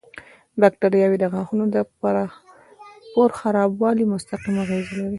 باکتریاوې د غاښونو پر خرابوالي مستقیم اغېز لري.